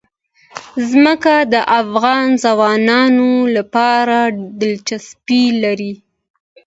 ځمکه د افغان ځوانانو لپاره دلچسپي لري.